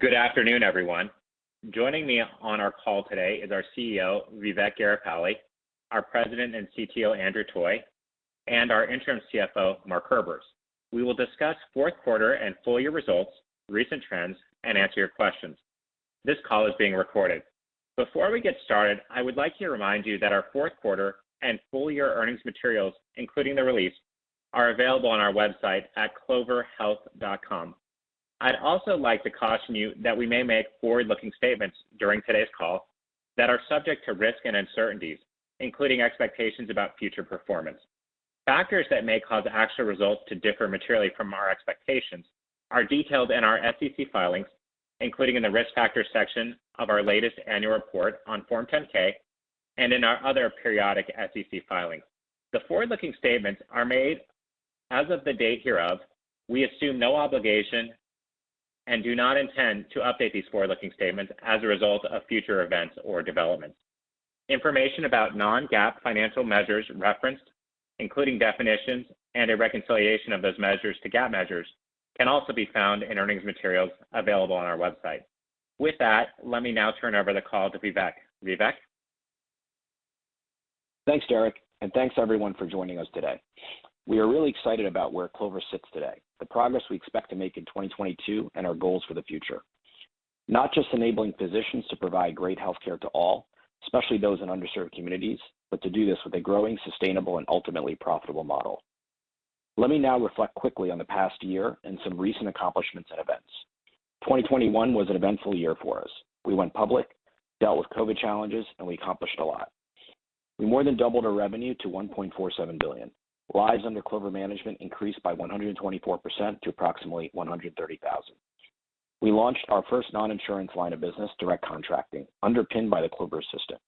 Good afternoon, everyone. Joining me on our call today is our CEO, Vivek Garipalli, our President and CTO, Andrew Toy, and our interim CFO, Mark Herbers. We will discuss fourth quarter and full year results, recent trends, and answer your questions. This call is being recorded. Before we get started, I would like to remind you that our fourth quarter and full year earnings materials, including the release, are available on our website at cloverhealth.com. I'd also like to caution you that we may make forward-looking statements during today's call that are subject to risks and uncertainties, including expectations about future performance. Factors that may cause actual results to differ materially from our expectations are detailed in our SEC filings, including in the Risk Factors section of our latest annual report on Form 10-K and in our other periodic SEC filings. The forward-looking statements are made as of the date hereof. We assume no obligation and do not intend to update these forward-looking statements as a result of future events or developments. Information about non-GAAP financial measures referenced, including definitions and a reconciliation of those measures to GAAP measures, can also be found in earnings materials available on our website. With that, let me now turn over the call to Vivek. Vivek? Thanks, Derrick, and thanks everyone for joining us today. We are really excited about where Clover sits today, the progress we expect to make in 2022, and our goals for the future. Not just enabling physicians to provide great healthcare to all, especially those in underserved communities, but to do this with a growing, sustainable, and ultimately profitable model. Let me now reflect quickly on the past year and some recent accomplishments and events. 2021 was an eventful year for us. We went public, dealt with COVID challenges, and we accomplished a lot. We more than doubled our revenue to $1.47 billion. Lives under Clover management increased by 124% to approximately 130,000. We launched our first non-insurance line of business, Direct Contracting, underpinned by the Clover Assistant.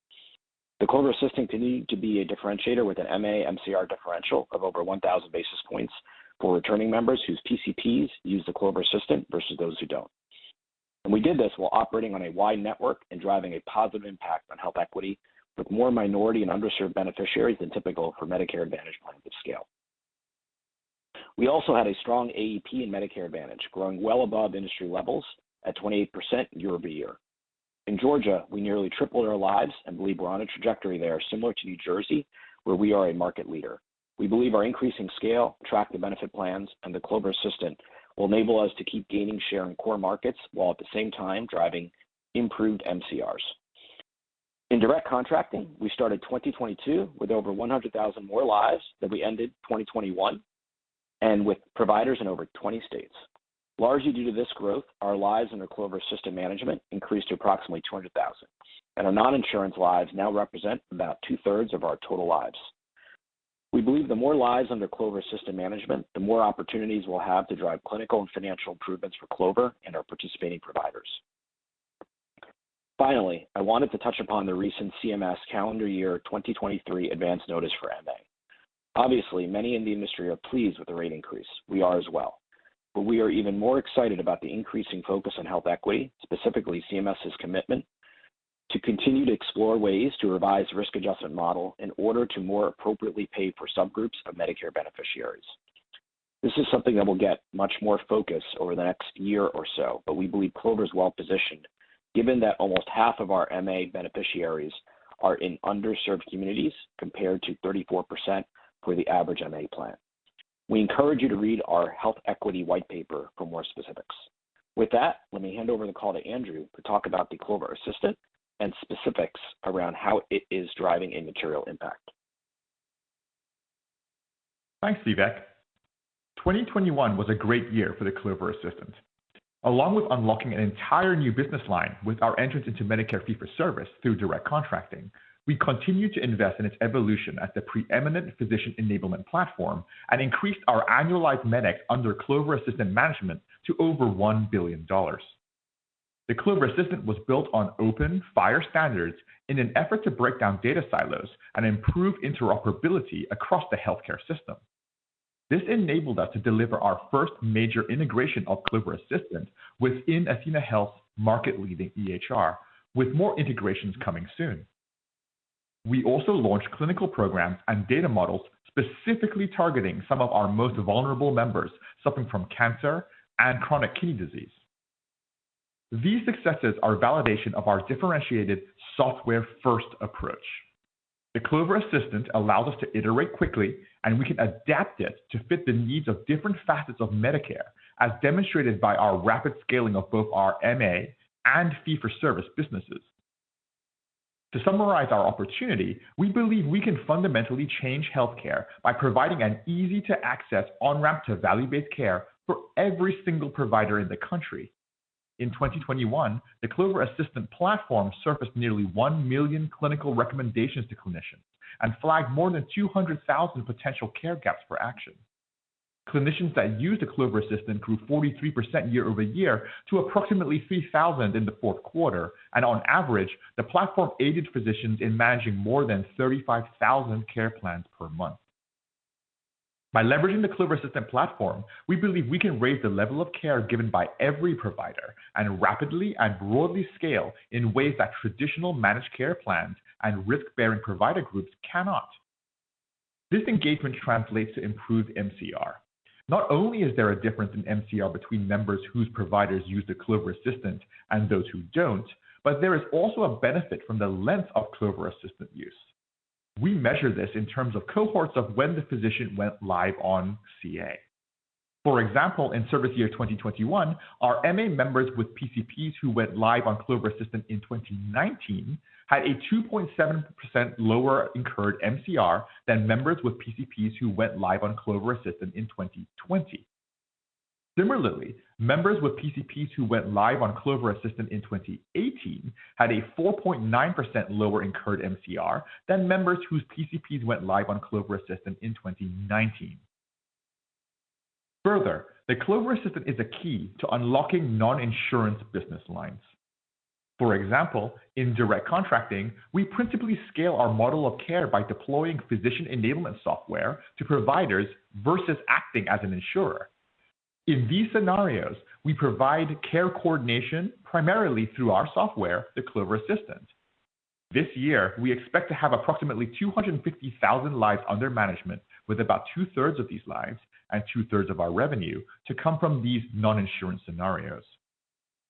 The Clover Assistant continued to be a differentiator with an MA MCR differential of over 1,000 basis points for returning members whose PCPs use the Clover Assistant versus those who don't. We did this while operating on a wide network and driving a positive impact on health equity with more minority and underserved beneficiaries than typical for Medicare Advantage plans of scale. We also had a strong AEP in Medicare Advantage, growing well above industry levels at 28% year-over-year. In Georgia, we nearly tripled our lives and believe we're on a trajectory there similar to New Jersey, where we are a market leader. We believe our increasing scale, attractive benefit plans, and the Clover Assistant will enable us to keep gaining share in core markets while at the same time driving improved MCRs. In Direct Contracting, we started 2022 with over 100,000 more lives than we ended 2021 and with providers in over 20 states. Largely due to this growth, our lives under Clover Assistant management increased to approximately 200,000, and our non-insurance lives now represent about two-thirds of our total lives. We believe the more lives under Clover Assistant management, the more opportunities we'll have to drive clinical and financial improvements for Clover and our participating providers. Finally, I wanted to touch upon the recent CMS calendar year 2023 advance notice for MA. Obviously, many in the industry are pleased with the rate increase. We are as well. We are even more excited about the increasing focus on health equity, specifically CMS's commitment to continue to explore ways to revise risk adjustment model in order to more appropriately pay for subgroups of Medicare beneficiaries. This is something that will get much more focus over the next year or so, but we believe Clover is well-positioned given that almost half of our MA beneficiaries are in underserved communities, compared to 34% for the average MA plan. We encourage you to read our health equity white paper for more specifics. With that, let me hand over the call to Andrew to talk about the Clover Assistant and specifics around how it is driving a material impact. Thanks, Vivek. 2021 was a great year for the Clover Assistant. Along with unlocking an entire new business line with our entrance into Medicare fee-for-service through Direct Contracting, we continued to invest in its evolution as the preeminent physician enablement platform and increased our annualized Medicare under Clover Assistant management to over $1 billion. The Clover Assistant was built on open FHIR standards in an effort to break down data silos and improve interoperability across the healthcare system. This enabled us to deliver our first major integration of Clover Assistant within athenahealth's market-leading EHR, with more integrations coming soon. We also launched clinical programs and data models specifically targeting some of our most vulnerable members suffering from cancer and chronic kidney disease. These successes are validation of our differentiated software-first approach. The Clover Assistant allows us to iterate quickly, and we can adapt it to fit the needs of different facets of Medicare, as demonstrated by our rapid scaling of both our MA and fee-for-service businesses. To summarize our opportunity, we believe we can fundamentally change healthcare by providing an easy-to-access on-ramp to value-based care for every single provider in the country. In 2021, the Clover Assistant platform surfaced nearly 1 million clinical recommendations to clinicians and flagged more than 200,000 potential care gaps for action. Clinicians that use the Clover Assistant grew 43% year-over-year to approximately 3,000 in the fourth quarter, and on average, the platform aided physicians in managing more than 35,000 care plans per month. By leveraging the Clover Assistant platform, we believe we can raise the level of care given by every provider and rapidly and broadly scale in ways that traditional managed care plans and risk-bearing provider groups cannot. This engagement translates to improved MCR. Not only is there a difference in MCR between members whose providers use the Clover Assistant and those who don't, but there is also a benefit from the length of Clover Assistant use. We measure this in terms of cohorts of when the physician went live on CA. For example, in service year 2021, our MA members with PCPs who went live on Clover Assistant in 2019 had a 2.7% lower incurred MCR than members with PCPs who went live on Clover Assistant in 2020. Similarly, members with PCPs who went live on Clover Assistant in 2018 had a 4.9% lower incurred MCR than members whose PCPs went live on Clover Assistant in 2019. Further, the Clover Assistant is a key to unlocking non-insurance business lines. For example, in Direct Contracting, we principally scale our model of care by deploying physician enablement software to providers versus acting as an insurer. In these scenarios, we provide care coordination primarily through our software, the Clover Assistant. This year, we expect to have approximately 250,000 lives under management, with about two-thirds of these lives and two-thirds of our revenue to come from these non-insurance scenarios.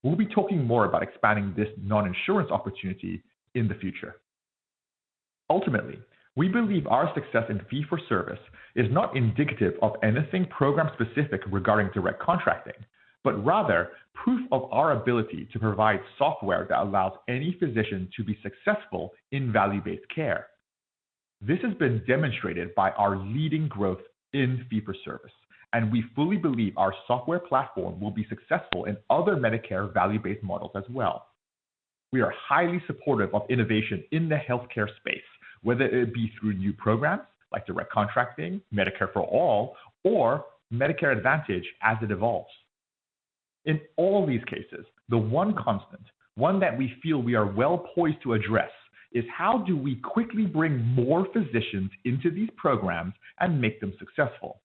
We'll be talking more about expanding this non-insurance opportunity in the future. Ultimately, we believe our success in fee for service is not indicative of anything program specific regarding Direct Contracting, but rather proof of our ability to provide software that allows any physician to be successful in value-based care. This has been demonstrated by our leading growth in fee for service, and we fully believe our software platform will be successful in other Medicare value-based models as well. We are highly supportive of innovation in the healthcare space, whether it be through new programs like Direct Contracting, Medicare for All, or Medicare Advantage as it evolves. In all these cases, the one constant, one that we feel we are well poised to address, is how do we quickly bring more physicians into these programs and make them successful.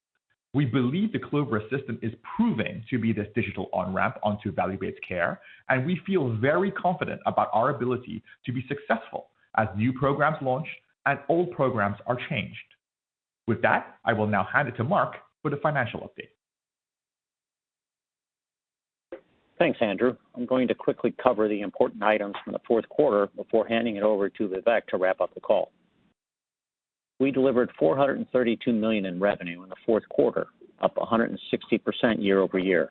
We believe the Clover Assistant is proving to be this digital on-ramp onto value-based care, and we feel very confident about our ability to be successful as new programs launch and old programs are changed. With that, I will now hand it to Mark for the financial update. Thanks, Andrew. I'm going to quickly cover the important items from the fourth quarter before handing it over to Vivek to wrap up the call. We delivered $432 million in revenue in the fourth quarter, up 160% year-over-year.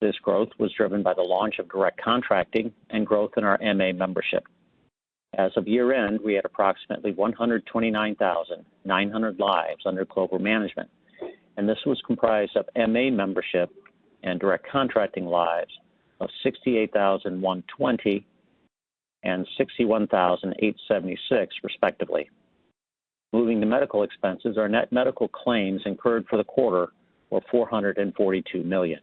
This growth was driven by the launch of Direct Contracting and growth in our MA membership. As of year-end, we had approximately 129,900 lives under Clover management, and this was comprised of MA membership and Direct Contracting lives of 68,120 and 61,876 respectively. Moving to medical expenses, our net medical claims incurred for the quarter were $442 million.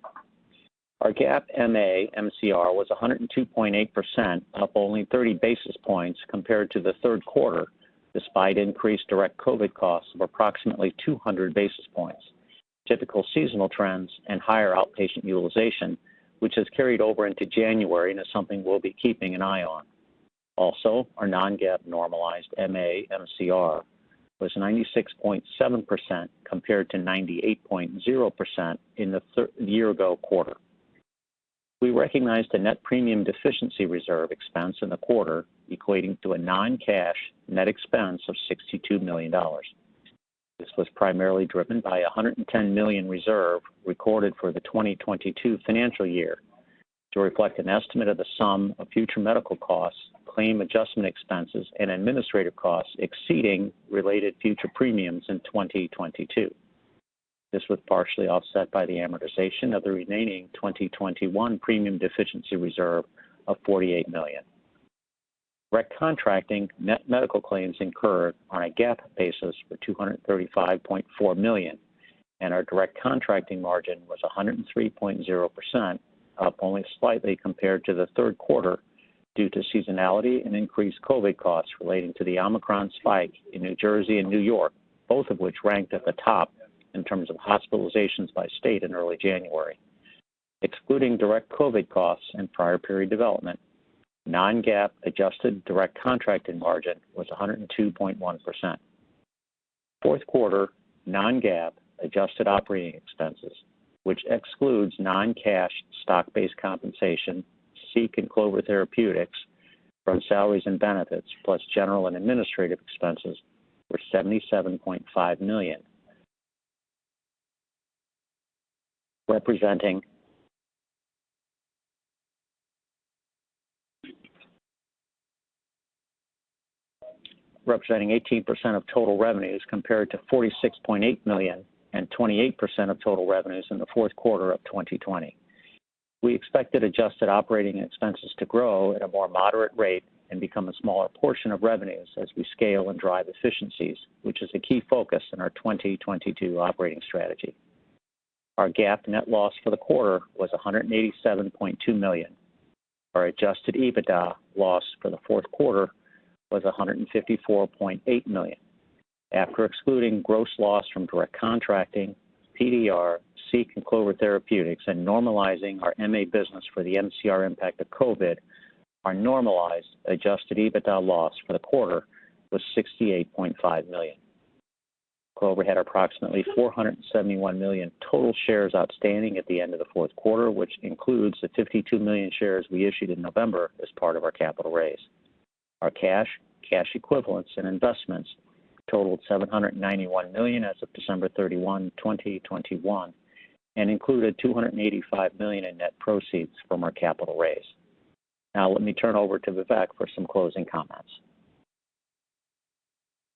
Our GAAP MA MCR was 102.8%, up only 30 basis points compared to the third quarter, despite increased direct COVID costs of approximately 200 basis points, typical seasonal trends, and higher outpatient utilization, which has carried over into January and is something we'll be keeping an eye on. Also, our non-GAAP normalized MA MCR was 96.7% compared to 98.0% in the third, - year ago quarter. We recognized a net premium deficiency reserve expense in the quarter, equating to a non-cash net expense of $62 million. This was primarily driven by a $110 million reserve recorded for the 2022 financial year to reflect an estimate of the sum of future medical costs, claim adjustment expenses, and administrative costs exceeding related future premiums in 2022. This was partially offset by the amortization of the remaining 2021 premium deficiency reserve of $48 million. Direct Contracting net medical claims incurred on a GAAP basis were $235.4 million, and our Direct Contracting margin was 103.0%, up only slightly compared to the third quarter due to seasonality and increased COVID costs relating to the Omicron spike in New Jersey and New York, both of which ranked at the top in terms of hospitalizations by state in early January. Excluding direct COVID costs and prior period development, non-GAAP adjusted Direct Contracting margin was 102.1%. Fourth quarter non-GAAP adjusted operating expenses, which excludes non-cash stock-based compensation, SEEK and Clover Therapeutics from salaries and benefits, plus general and administrative expenses, were $77.5 million, representing 18% of total revenues compared to $46.8 million and 28% of total revenues in the fourth quarter of 2020. We expected adjusted operating expenses to grow at a more moderate rate and become a smaller portion of revenues as we scale and drive efficiencies, which is a key focus in our 2022 operating strategy. Our GAAP net loss for the quarter was $187.2 million. Our adjusted EBITDA loss for the fourth quarter was $154.8 million. After excluding gross loss from Direct Contracting, PDR, SEEK and Clover Therapeutics, and normalizing our MA business for the MCR impact of COVID. Our normalized adjusted EBITDA loss for the quarter was $68.5 million. Clover had approximately 471 million total shares outstanding at the end of the fourth quarter, which includes the $52 million shares we issued in November as part of our capital raise. Our cash equivalents, and investments totaled $791 million as of December 31, 2021, and included $285 million in net proceeds from our capital raise. Now let me turn over to Vivek for some closing comments.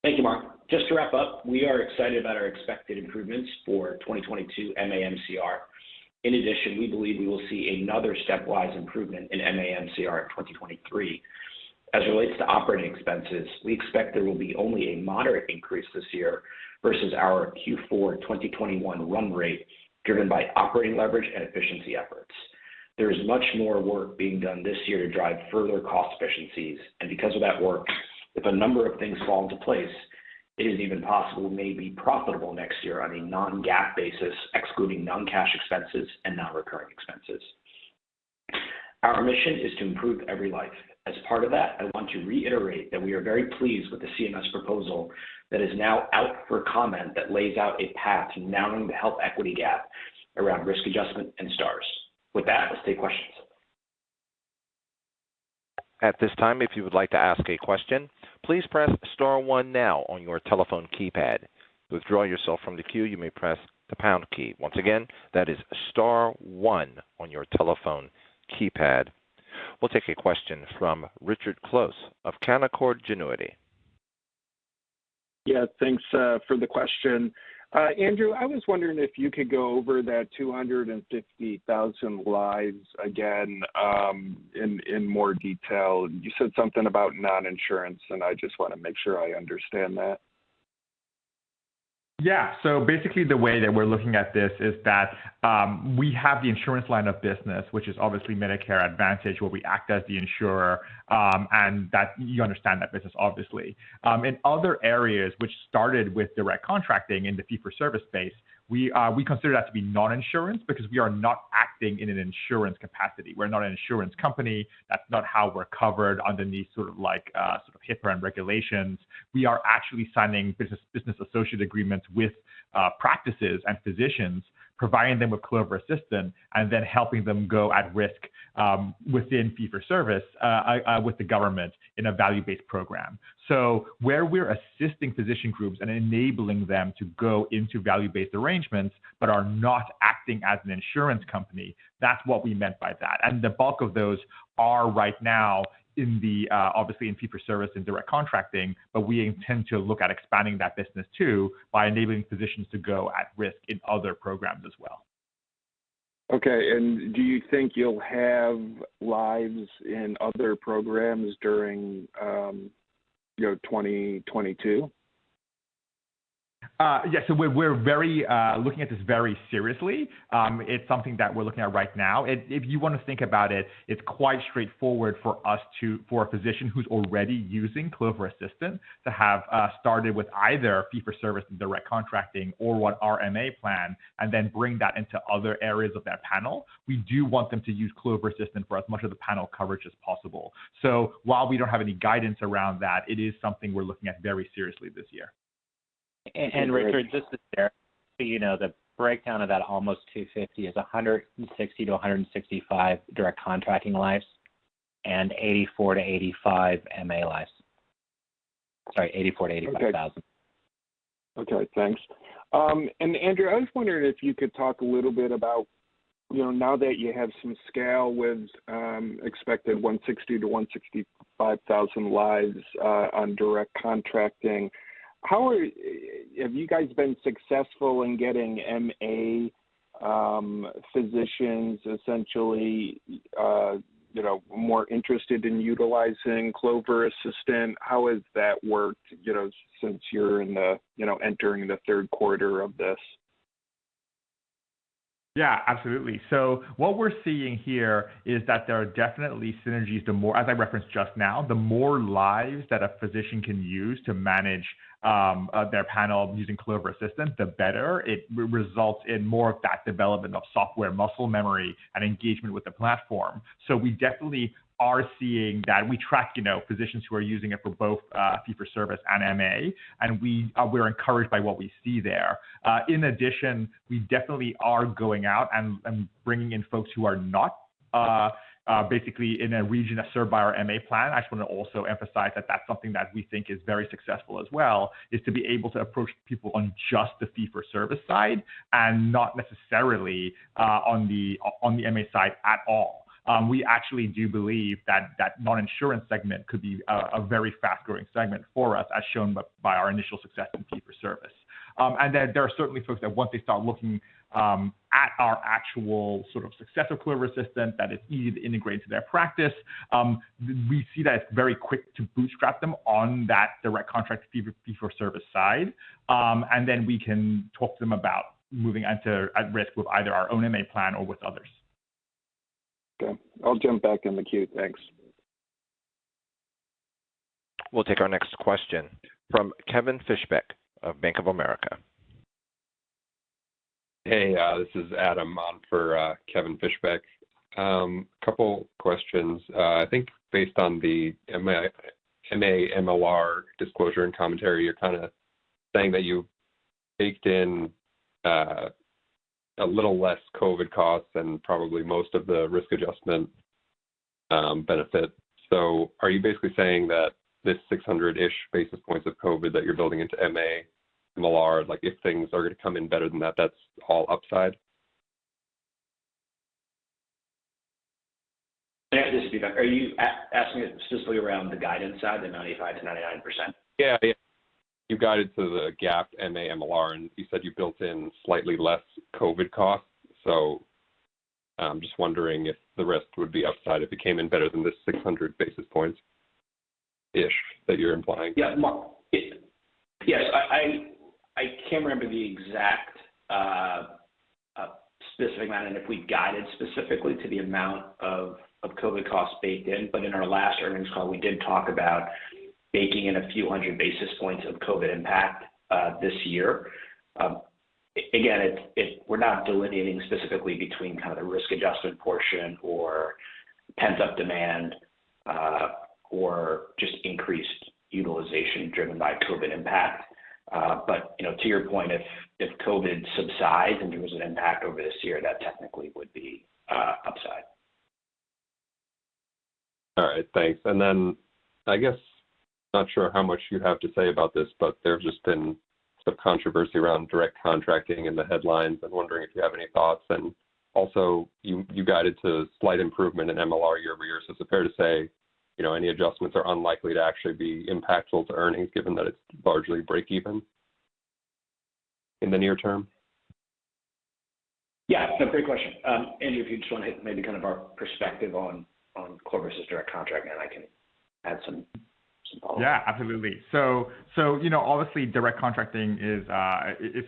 Thank you, Mark. Just to wrap up, we are excited about our expected improvements for 2022 MA MCR. In addition, we believe we will see another stepwise improvement in MA MCR in 2023. As it relates to operating expenses, we expect there will be only a moderate increase this year versus our Q4 2021 run rate, driven by operating leverage and efficiency efforts. There is much more work being done this year to drive further cost efficiencies, and because of that work, if a number of things fall into place, it is even possible we may be profitable next year on a non-GAAP basis, excluding non-cash expenses and non-recurring expenses. Our mission is to improve every life. As part of that, I want to reiterate that we are very pleased with the CMS proposal that is now out for comment that lays out a path to narrowing the health equity gap around risk adjustment and stars. With that, let's take questions. At this time, if you would like to ask a question, please press star one now on your telephone keypad. To withdraw yourself from the queue, you may press the pound key. Once again, that is star one on your telephone keypad. We'll take a question from Richard Close of Canaccord Genuity. Yeah, thanks for the question. Andrew, I was wondering if you could go over that 250,000 lives again, in more detail. You said something about non-insurance, and I just wanna make sure I understand that. Yeah. Basically, the way that we're looking at this is that, we have the insurance line of business, which is obviously Medicare Advantage, where we act as the insurer, and that you understand that business, obviously. In other areas which started with Direct Contracting in the fee-for-service space, we consider that to be non-insurance because we are not acting in an insurance capacity. We're not an insurance company. That's not how we're covered underneath sort of like, sort of HIPAA and regulations. We are actually signing business associate agreements with, practices and physicians, providing them with Clover Assistant and then helping them go at risk, within fee-for-service, with the government in a value-based program. Where we're assisting physician groups and enabling them to go into value-based arrangements but are not acting as an insurance company, that's what we meant by that. The bulk of those are right now in the, obviously in fee-for-service and Direct Contracting, but we intend to look at expanding that business too by enabling physicians to go at risk in other programs as well. Okay. Do you think you'll have lives in other programs during, you know, 2022? Yes. We're very looking at this very seriously. It's something that we're looking at right now. If you want to think about it's quite straightforward for a physician who's already using Clover Assistant to have started with either fee-for-service and Direct Contracting or one of our MA plan and then bring that into other areas of their panel. We do want them to use Clover Assistant for as much of the panel coverage as possible. While we don't have any guidance around that, it is something we're looking at very seriously this year. Richard, just to be clear, so you know, the breakdown of that almost 250 is 160-165 Direct Contracting lives and 84-85 MA lives. Sorry, 84,000-85,000. Okay, thanks. Andrew, I was wondering if you could talk a little bit about, you know, now that you have some scale with expected 160,000-165,000 lives on Direct Contracting, have you guys been successful in getting MA physicians essentially, you know, more interested in utilizing Clover Assistant? How has that worked, you know, since you're entering the third quarter of this? Yeah, absolutely. What we're seeing here is that there are definitely synergies the more, as I referenced just now, the more lives that a physician can use to manage their panel using Clover Assistant, the better. It results in more of that development of software muscle memory and engagement with the platform. We definitely are seeing that. We track, you know, physicians who are using it for both fee-for-service and MA, and we're encouraged by what we see there. In addition, we definitely are going out and bringing in folks who are not basically in a region that's served by our MA plan. I just wanna also emphasize that that's something that we think is very successful as well, is to be able to approach people on just the fee-for-service side and not necessarily on the MA side at all. We actually do believe that non-insurance segment could be a very fast-growing segment for us, as shown by our initial success in fee-for-service. There are certainly folks that once they start looking at our actual sort of success of Clover Assistant, that it's easy to integrate into their practice. We see that it's very quick to bootstrap them on that direct contract fee-for-service side. We can talk to them about moving onto at risk with either our own MA plan or with others. Okay. I'll jump back in the queue. Thanks. We'll take our next question from Kevin Fischbeck of Bank of America. Hey, this is Adam on for Kevin Fischbeck. Couple questions. I think based on the MA MLR disclosure and commentary, you're kind of saying that you've baked in a little less COVID costs and probably most of the risk adjustment benefit. Are you basically saying that this 600-ish basis points of COVID that you're building into MA MLR, like if things are gonna come in better than that's all upside? Yeah. This is Vivek. Are you asking specifically around the guidance side, the 95%-99%? Yeah. You've guided to the GAAP MA MLR, and you said you built in slightly less COVID costs. Just wondering if the risk would be upside if it came in better than the 600 basis points-ish that you're implying. Yeah. Well, yes. I can't remember the exact specific amount and if we guided specifically to the amount of COVID costs baked in, but in our last earnings call, we did talk about baking in a few hundred basis points of COVID impact this year. Again, we're not delineating specifically between kind of risk adjustment portion or pent-up demand or just increased utilization driven by COVID impact. But, you know, to your point, if COVID subsides and there was an impact over this year, that technically would be upside. All right. Thanks. I guess, not sure how much you have to say about this, but there's just been some controversy around Direct Contracting in the headlines. I'm wondering if you have any thoughts. Also, you guided to slight improvement in MLR year-over-year. Is it fair to say, you know, any adjustments are unlikely to actually be impactful to earnings given that it's largely breakeven in the near term? Yeah. No, great question. Andrew, if you just wanna hit maybe kind of our perspective on Clover's direct contract, and I can add some follow-up. Yeah, absolutely. You know, obviously, Direct Contracting is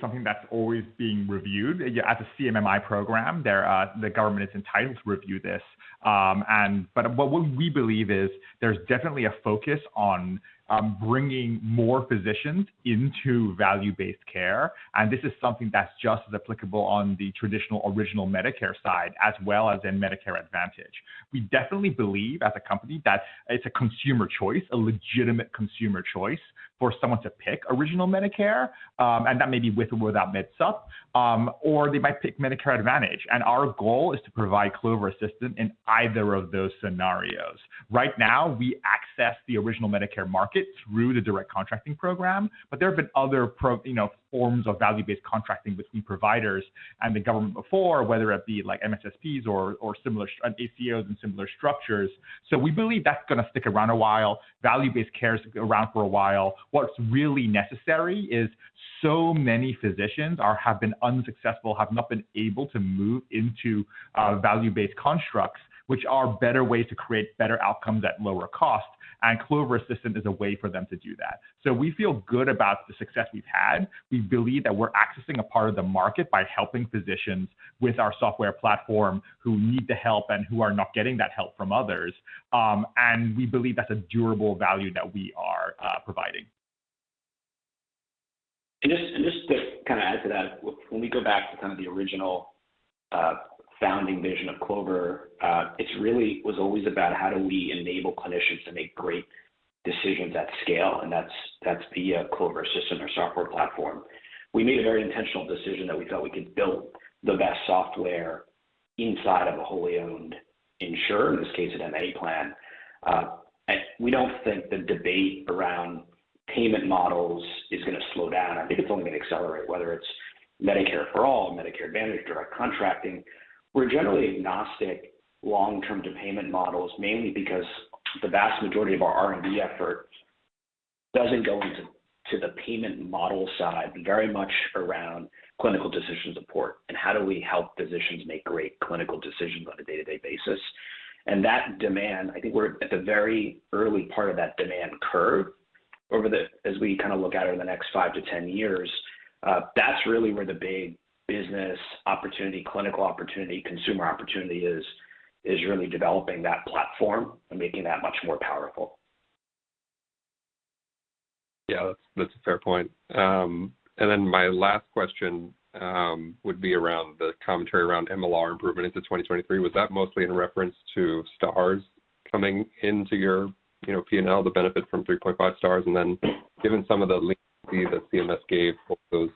something that's always being reviewed. As a CMMI program, the government is entitled to review this. But what we believe is there's definitely a focus on bringing more physicians into value-based care, and this is something that's just as applicable on the traditional original Medicare side as well as in Medicare Advantage. We definitely believe as a company that it's a consumer choice, a legitimate consumer choice for someone to pick original Medicare, and that may be with or without Medicare Supplement, or they might pick Medicare Advantage. Our goal is to provide Clover Assistant in either of those scenarios. Right now, we access the original Medicare market through the Direct Contracting program, but there have been other, you know, forms of value-based contracting between providers and the government before, whether it be like MSSPs or similar ACOs and similar structures. We believe that's gonna stick around a while. Value-based care is around for a while. What's really necessary is so many physicians have been unsuccessful, have not been able to move into value-based constructs, which are better ways to create better outcomes at lower cost, and Clover Assistant is a way for them to do that. We feel good about the success we've had. We believe that we're accessing a part of the market by helping physicians with our software platform who need the help and who are not getting that help from others. We believe that's a durable value that we are providing. Just to kind of add to that, when we go back to kind of the original founding vision of Clover, it really was always about how do we enable clinicians to make great decisions at scale, and that's the Clover Assistant, our software platform. We made a very intentional decision that we felt we could build the best software inside of a wholly owned insurer, in this case, an MA plan. We don't think the debate around payment models is gonna slow down. I think it's only gonna accelerate, whether it's Medicare for All, Medicare Advantage, Direct Contracting. We're generally agnostic long-term to payment models, mainly because the vast majority of our R&D effort doesn't go into the payment model side, but very much around clinical decision support and how do we help physicians make great clinical decisions on a day-to-day basis. That demand, I think we're at the very early part of that demand curve. As we kind of look out over the next five-10 years, that's really where the big business opportunity, clinical opportunity, consumer opportunity is really developing that platform and making that much more powerful. Yeah. That's a fair point. And then my last question would be around the commentary around MLR improvement into 2023. Was that mostly in reference to stars coming into your, you know, P&L, the benefit from 3.5 stars? And then given some of the leeway that CMS gave those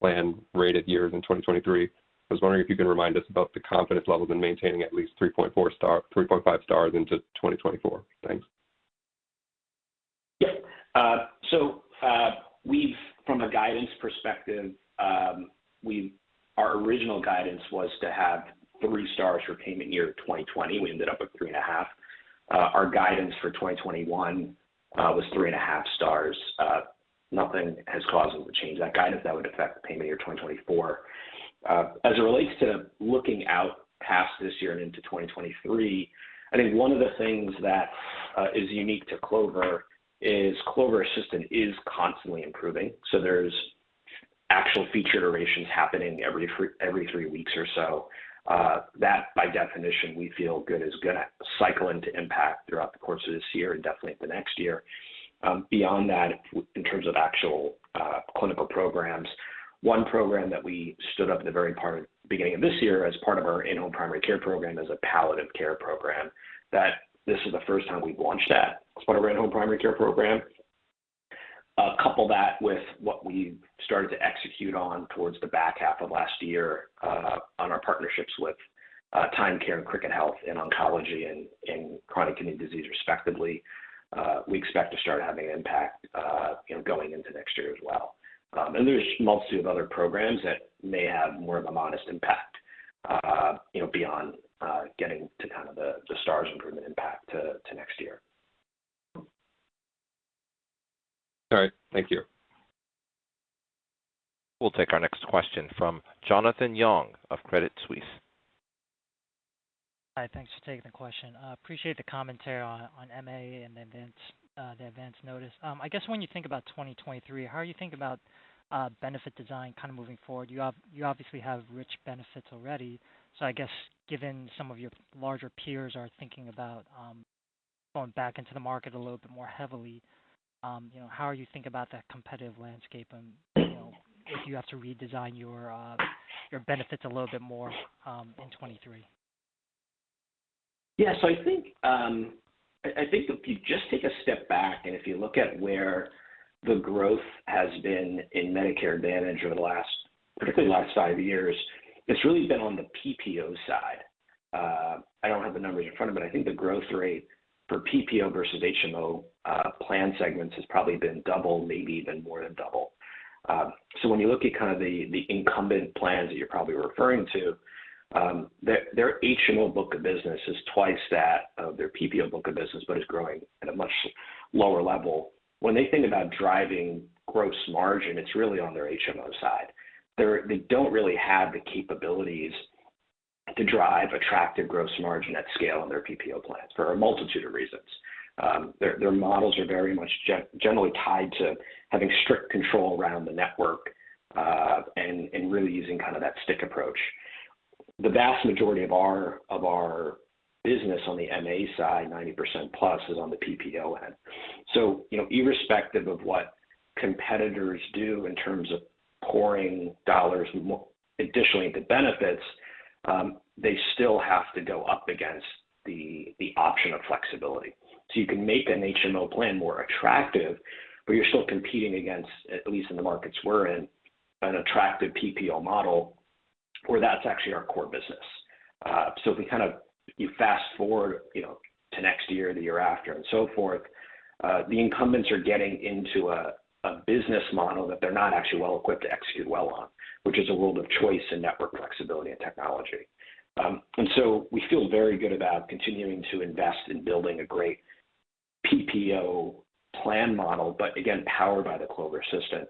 plan rated years in 2023, I was wondering if you can remind us about the confidence level in maintaining at least 3.5 stars into 2024. Thanks. Yeah. From a guidance perspective, our original guidance was to have three stars for payment year 2020. We ended up with 3.5. Our guidance for 2021 was 3.5 stars. Nothing has caused us to change that guidance that would affect the payment year 2024. As it relates to looking out past this year and into 2023, I think one of the things that is unique to Clover is Clover Assistant is constantly improving. There's actual feature iterations happening every three weeks or so. That by definition we feel good is gonna cycle into impact throughout the course of this year and definitely the next year. Beyond that, in terms of actual clinical programs, one program that we stood up at the very beginning of this year as part of our in-home primary care program is a palliative care program that this is the first time we've launched that as part of our in-home primary care program. Couple that with what we started to execute on towards the back half of last year on our partnerships with Thyme Care and Cricket Health in oncology and chronic kidney disease respectively. We expect to start having an impact, you know, going into next year as well. There's a multitude of other programs that may have more of a modest impact, you know, beyond getting to kind of the stars improvement impact to next year. All right. Thank you. We'll take our next question from Jonathan Yong of Credit Suisse. Hi, thanks for taking the question. Appreciate the commentary on MA and the advance notice. I guess when you think about 2023, how are you thinking about benefit design kinda moving forward? You obviously have rich benefits already, so I guess given some of your larger peers are thinking about going back into the market a little bit more heavily, you know, how are you thinking about that competitive landscape and, you know, if you have to redesign your benefits a little bit more in 2023? Yeah. I think if you just take a step back and if you look at where the growth has been in Medicare Advantage over the last, particularly the last five years, it's really been on the PPO side. I don't have the numbers in front of me, but I think the growth rate for PPO versus HMO plan segments has probably been double, maybe even more than double. When you look at kind of the incumbent plans that you're probably referring to, their HMO book of business is twice that of their PPO book of business, but is growing at a much lower level. When they think about driving gross margin, it's really on their HMO side. They don't really have the capabilities to drive attractive gross margin at scale on their PPO plans for a multitude of reasons. Their models are very much generally tied to having strict control around the network, and really using kind of that stick approach. The vast majority of our business on the MA side, 90% plus, is on the PPO end. You know, irrespective of what competitors do in terms of pouring dollars additionally into benefits, they still have to go up against the option of flexibility. You can make an HMO plan more attractive, but you're still competing against, at least in the markets we're in, an attractive PPO model where that's actually our core business. If we fast-forward, you know, to next year, the year after, and so forth, the incumbents are getting into a business model that they're not actually well-equipped to execute well on, which is a world of choice and network flexibility and technology. We feel very good about continuing to invest in building a great PPO plan model, but again, powered by the Clover system.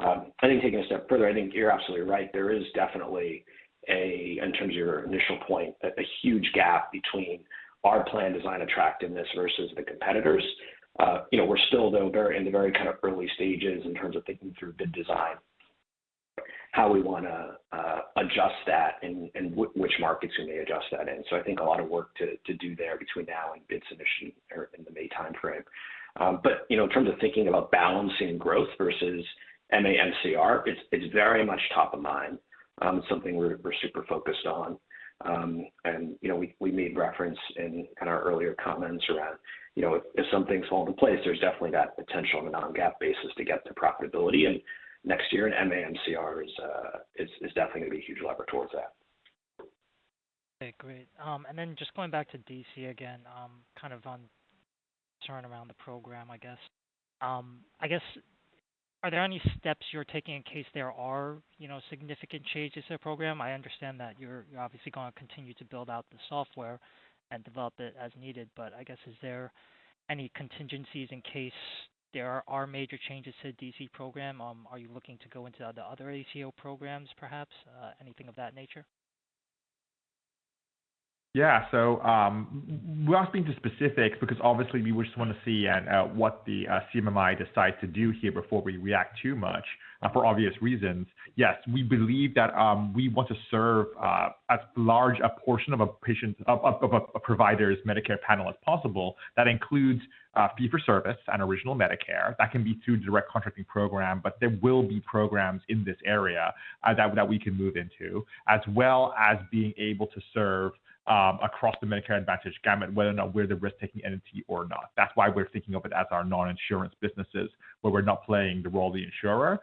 I think taking a step further, you're absolutely right. There is definitely, in terms of your initial point, a huge gap between our plan design attractiveness versus the competitors. You know, we're still, though, in the very kind of early stages in terms of thinking through bid design, how we wanna adjust that and which markets we may adjust that in. I think a lot of work to do there between now and bid submission or in the May timeframe. You know, in terms of thinking about balancing growth versus MA MCR, it's very much top of mind, something we're super focused on. You know, we made reference in our earlier comments around, you know, if some things fall into place, there's definitely that potential on a non-GAAP basis to get to profitability next year, and MA MCR is definitely gonna be a huge lever towards that. Okay, great. Just going back to DC again, kind of on turning around the program, I guess. I guess, are there any steps you're taking in case there are, you know, significant changes to the program? I understand that you're obviously gonna continue to build out the software and develop it as needed, but I guess, is there any contingencies in case there are major changes to the DC program? Are you looking to go into the other ACO programs perhaps? Anything of that nature? Yeah. Without speaking to specifics, because obviously we just wanna see what the CMMI decides to do here before we react too much, for obvious reasons. Yes, we believe that we want to serve as large a portion of a provider's Medicare panel as possible. That includes fee for service and original Medicare. That can be through Direct Contracting program, but there will be programs in this area that we can move into, as well as being able to serve across the Medicare Advantage gamut, whether or not we're the risk-taking entity or not. That's why we're thinking of it as our non-insurance businesses, where we're not playing the role of the insurer.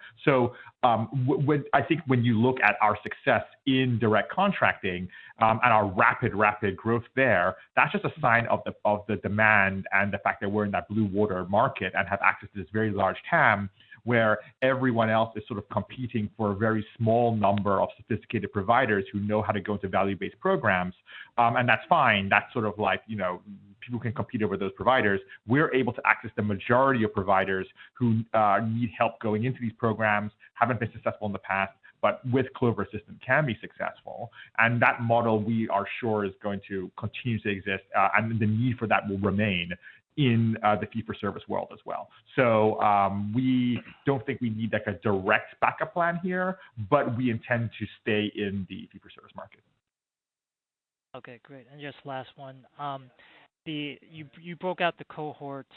I think when you look at our success in Direct Contracting and our rapid growth there, that's just a sign of the demand and the fact that we're in that blue water market and have access to this very large TAM, where everyone else is sort of competing for a very small number of sophisticated providers who know how to go into value-based programs. And that's fine. That's sort of like, you know, people can compete over those providers. We're able to access the majority of providers who need help going into these programs, haven't been successful in the past, but with Clover system can be successful. That model, we are sure is going to continue to exist and the need for that will remain in the fee for service world as well. We don't think we need like a direct backup plan here, but we intend to stay in the fee for service market. Okay, great. Just last one. You broke out the cohorts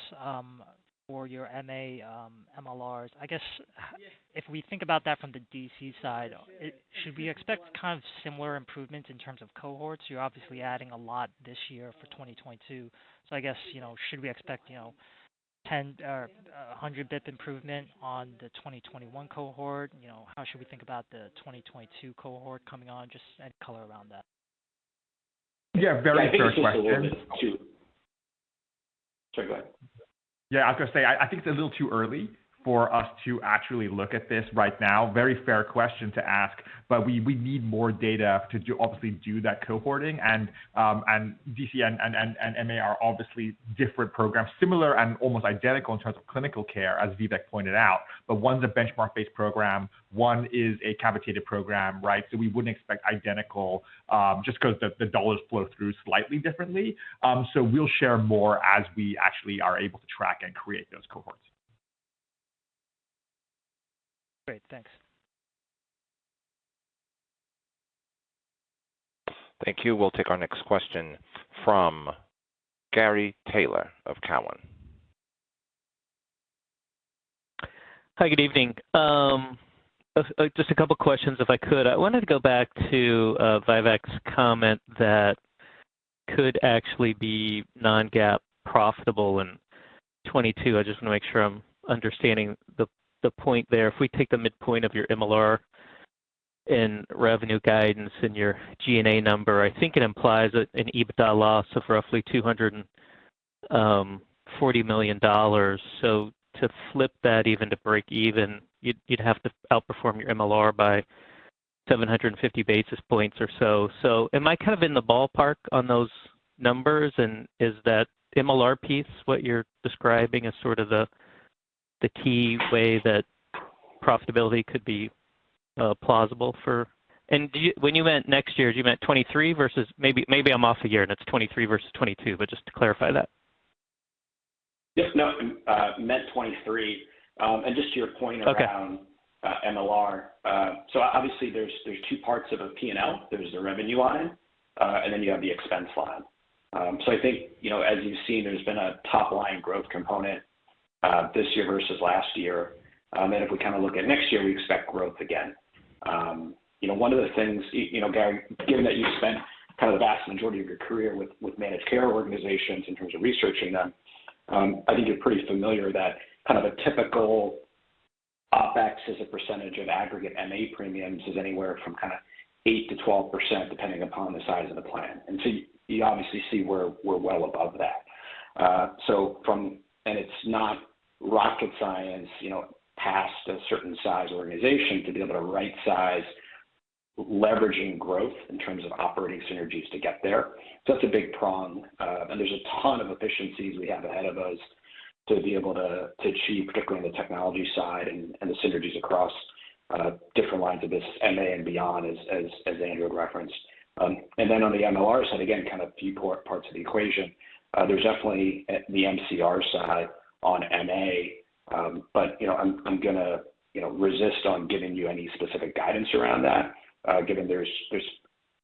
for your MA MLRs. I guess if we think about that from the DC side, should we expect kind of similar improvements in terms of cohorts? You're obviously adding a lot this year for 2022. I guess, you know, should we expect, you know, 10 or 100 basis points improvement on the 2021 cohort? You know, how should we think about the 2022 cohort coming on? Just any color around that? Yeah, very fair question. Sorry, go ahead. Yeah, I was gonna say, I think it's a little too early for us to actually look at this right now. Very fair question to ask, but we need more data to do that cohorting. DC and MA are obviously different programs, similar and almost identical in terms of clinical care, as Vivek pointed out. One's a benchmark-based program, one is a capitated program, right? We wouldn't expect identical, just 'cause the dollars flow through slightly differently. We'll share more as we actually are able to track and create those cohorts. Great. Thanks. Thank you. We'll take our next question from Gary Taylor of Cowen. Hi, good evening. Just a couple questions, if I could. I wanted to go back to Vivek's comment that could actually be non-GAAP profitable in 2022. I just wanna make sure I'm understanding the point there. If we take the midpoint of your MLR and revenue guidance and your G&A number, I think it implies an EBITDA loss of roughly $240 million. To flip that even to break even, you'd have to outperform your MLR by 750 basis points or so. Am I kind of in the ballpark on those numbers? And is that MLR piece what you're describing as sort of the key way that profitability could be plausible for... When you went next year, do you mean 2023 versus, maybe I'm off a year, and it's 2023 versus 2022, but just to clarify that. Yes. No, meant 2023. Just to your point. Okay. Around MLR. Obviously there's two parts of a P&L. There's the revenue line and then you have the expense line. I think, you know, as you've seen, there's been a top-line growth component this year versus last year. If we kind of look at next year, we expect growth again. You know, one of the things, you know, Gary, given that you've spent kind of the vast majority of your career with managed care organizations in terms of researching them, I think you're pretty familiar that kind of a typical OpEx as a percentage of aggregate MA premiums is anywhere from kind of 8%-12%, depending upon the size of the plan. You obviously see we're well above that. It's not rocket science, you know, past a certain size organization to be able to right size leveraging growth in terms of operating synergies to get there. That's a big prong. There's a ton of efficiencies we have ahead of us to be able to achieve, particularly on the technology side and the synergies across different lines of this MA and beyond, as Andrew referenced. On the MLR side, again, kind of few parts of the equation. There's definitely the MCR side on MA, but, you know, I'm gonna, you know, resist on giving you any specific guidance around that, given there's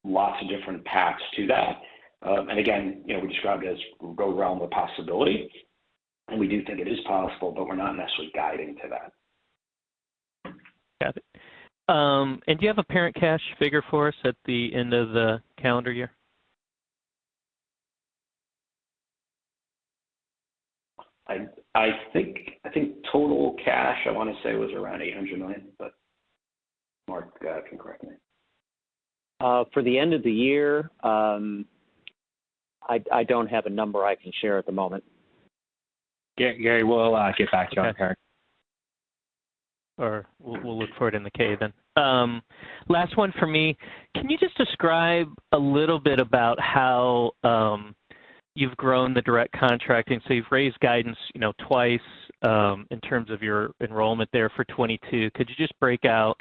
lots of different paths to that. Again, you know, we described it as real realm of possibility, and we do think it is possible, but we're not necessarily guiding to that. Got it. Do you have a parent cash figure for us at the end of the calendar year? I think total cash, I wanna say, was around $800 million, but Mark can correct me. For the end of the year, I don't have a number I can share at the moment. Gary, we'll get back to you on parent. Okay. We'll look for it in the K then. Last one for me. Can you just describe a little bit about how you've grown the Direct Contracting? So you've raised guidance, you know, twice, in terms of your enrollment there for 2022. Could you just break out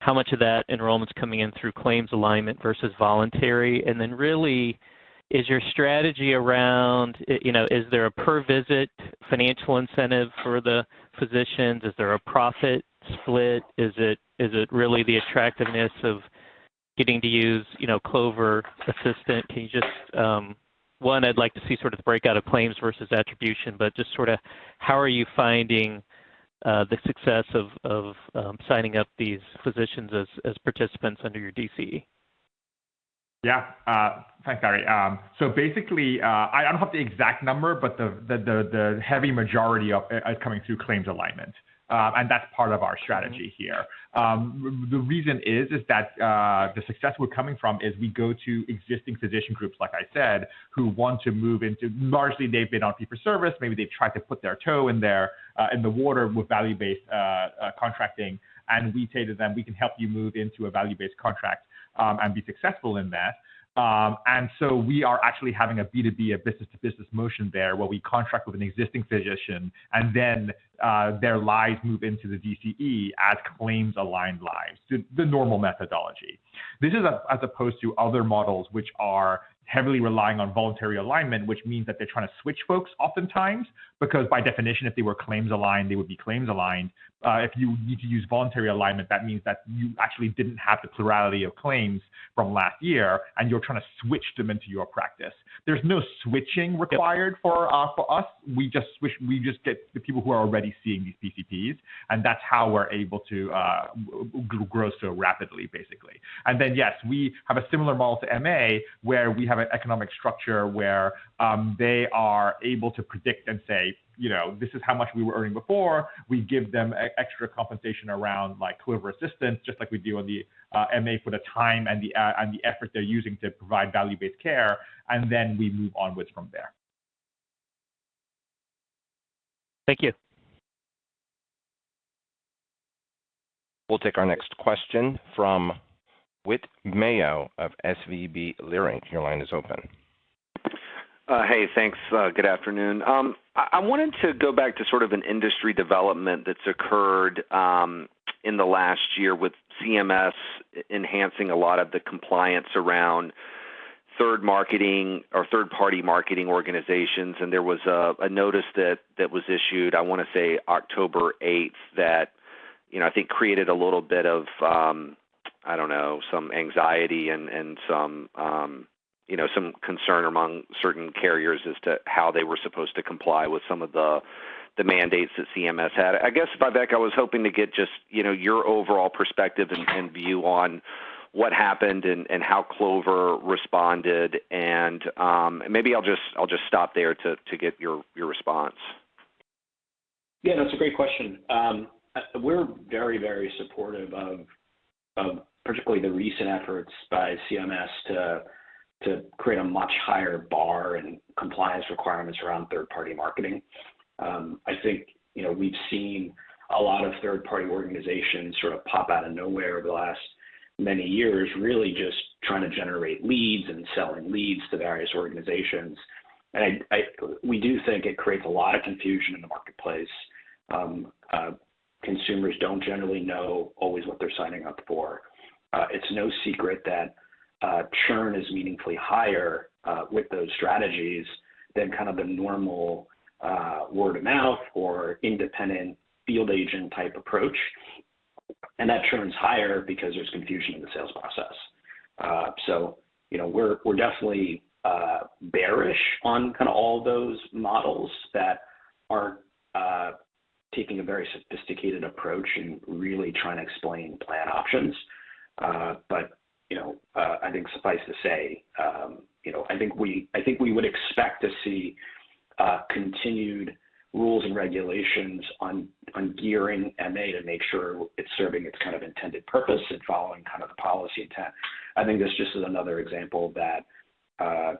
how much of that enrollment's coming in through claims alignment versus voluntary? And then really is your strategy around, you know, is there a per visit financial incentive for the physicians? Is there a profit split? Is it really the attractiveness of getting to use, you know, Clover Assistant? I'd like to see sort of the breakout of claims versus attribution, but just sorta how are you finding the success of signing up these physicians as participants under your DCE? Yeah. Thanks, Gary. So basically, I don't have the exact number, but the heavy majority of it is coming through claims alignment, and that's part of our strategy here. The reason is that the success we're coming from is we go to existing physician groups, like I said, who want to move into—largely, they've been on fee-for-service. Maybe they've tried to put their toe in the water with value-based contracting, and we say to them, "We can help you move into a value-based contract, and be successful in that." We are actually having a B2B, a business to business motion there, where we contract with an existing physician and then their lives move into the DCE as claims aligned lives. The normal methodology. This is as opposed to other models which are heavily relying on voluntary alignment, which means that they're trying to switch folks oftentimes because by definition, if they were claims aligned, they would be claims aligned. If you need to use voluntary alignment, that means that you actually didn't have the plurality of claims from last year, and you're trying to switch them into your practice. There's no switching required for us. We just get the people who are already seeing these PCPs, and that's how we're able to grow so rapidly, basically. Yes, we have a similar model to MA, where we have an economic structure where they are able to predict and say, you know, "This is how much we were earning before." We give them extra compensation around, like, Clover Assistant, just like we do on the MA for the time and the effort they're using to provide value-based care, and then we move onward from there. Thank you. We'll take our next question from Whit Mayo of SVB Leerink. Your line is open. Hey, thanks. Good afternoon. I wanted to go back to sort of an industry development that's occurred in the last year with CMS enhancing a lot of the compliance around third-party marketing organizations, and there was a notice that was issued, I wanna say October 8th, that, you know, I think created a little bit of, I don't know, some anxiety and some concern among certain carriers as to how they were supposed to comply with some of the mandates that CMS had. I guess, Vivek, I was hoping to get just your overall perspective and view on what happened and how Clover responded. Maybe I'll just stop there to get your response. Yeah, that's a great question. We're very supportive of, particularly the recent efforts by CMS to create a much higher bar and compliance requirements around third-party marketing. I think, you know, we've seen a lot of third-party organizations sort of pop out of nowhere over the last many years, really just trying to generate leads and selling leads to various organizations. We do think it creates a lot of confusion in the marketplace. Consumers don't generally know always what they're signing up for. It's no secret that churn is meaningfully higher with those strategies than kind of the normal word-of-mouth or independent field agent type approach, and that churn's higher because there's confusion in the sales process. You know, we're definitely bearish on kinda all those models that aren't taking a very sophisticated approach in really trying to explain plan options. I think suffice to say, you know, I think we would expect to see continued rules and regulations on gearing MA to make sure it's serving its kind of intended purpose and following kind of the policy intent. I think this just is another example that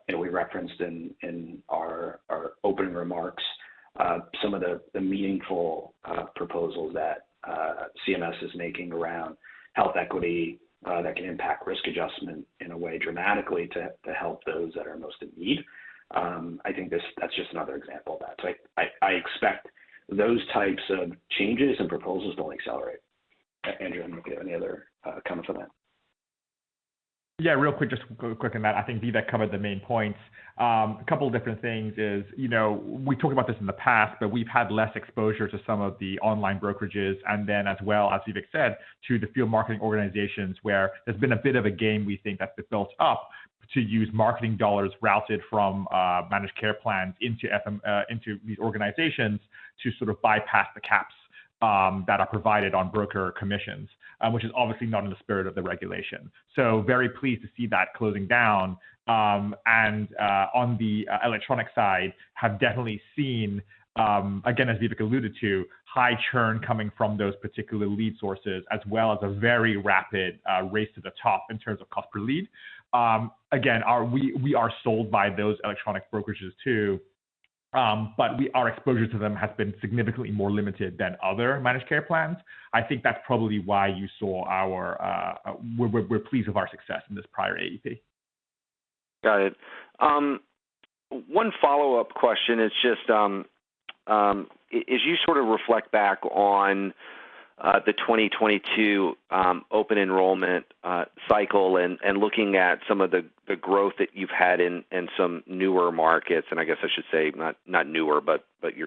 you know, we referenced in our opening remarks, some of the meaningful proposals that CMS is making around health equity that can impact risk adjustment in a way dramatically to help those that are most in need. I think this, that's just another example of that. I expect those types of changes and proposals to accelerate. Andrew, I don't know if you have any other comment for that. Yeah, real quick, just quick on that. I think Vivek covered the main points. A couple different things is, you know, we talked about this in the past, but we've had less exposure to some of the online brokerages, and then as well, as Vivek said, to the field marketing organizations where there's been a bit of a game, we think, that's been built up to use marketing dollars routed from managed care plans into these organizations to sort of bypass the caps that are provided on broker commissions, which is obviously not in the spirit of the regulation. Very pleased to see that closing down. On the electronic side, we have definitely seen, again, as Vivek alluded to, high churn coming from those particular lead sources as well as a very rapid race to the top in terms of cost per lead. Again, we are sold by those electronic brokerages too, but our exposure to them has been significantly more limited than other managed care plans. I think that's probably why you saw our success in this prior AEP. We're pleased with our success in this prior AEP. Got it. One follow-up question is just as you sort of reflect back on the 2022 open enrollment cycle and looking at some of the growth that you've had in some newer markets, and I guess I should say not newer, but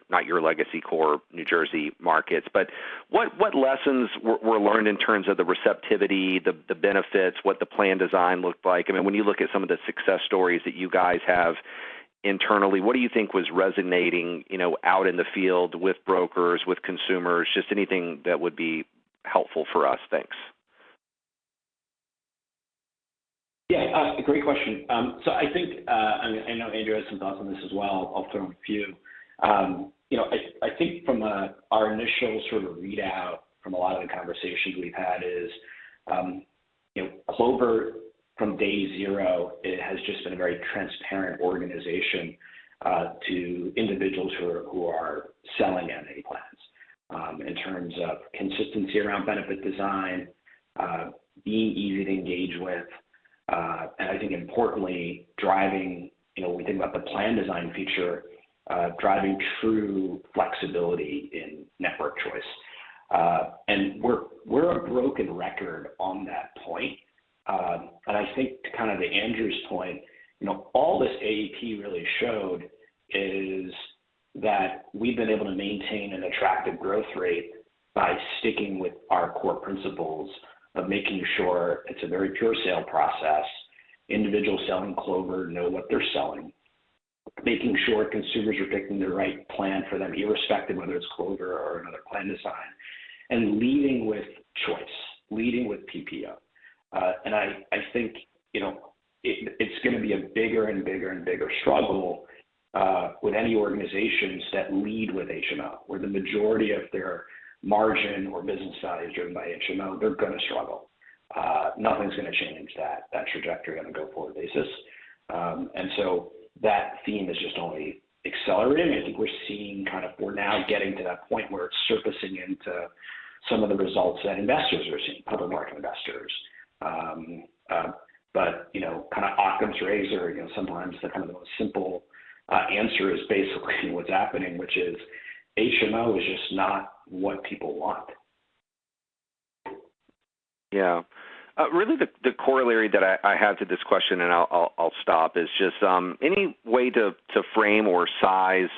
not your legacy core New Jersey markets. But what lessons were learned in terms of the receptivity, the benefits, what the plan design looked like? I mean, when you look at some of the success stories that you guys have internally, what do you think was resonating, you know, out in the field with brokers, with consumers? Just anything that would be helpful for us. Thanks. Yeah. Great question. So I think, I mean, I know Andrew has some thoughts on this as well. I'll throw in a few. You know, I think from our initial sort of readout from a lot of the conversations we've had is, you know, Clover from day zero, it has just been a very transparent organization, to individuals who are selling MA plans, in terms of consistency around benefit design, being easy to engage with, and I think importantly, driving, you know, when we think about the plan design feature, driving true flexibility in network choice. We're a broken record on that point. I think to kind of Andrew's point, you know, all this AEP really showed is that we've been able to maintain an attractive growth rate by sticking with our core principles of making sure it's a very pure sale process. Individuals selling Clover know what they're selling. Making sure consumers are picking the right plan for them, irrespective whether it's Clover or another plan design. Leading with choice, leading with PPO. I think, you know, it's gonna be a bigger and bigger and bigger struggle with any organizations that lead with HMO, where the majority of their margin or business side is driven by HMO, they're gonna struggle. Nothing's gonna change that trajectory on a go-forward basis. That theme is just only accelerating. I think we're now getting to that point where it's surfacing into some of the results that investors are seeing, public market investors. You know, kind of Occam's razor, you know, sometimes the most simple answer is basically what's happening, which is HMO is just not what people want. Yeah. Really the corollary that I have to this question, and I'll stop, is just any way to frame or size